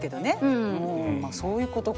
そういうことか。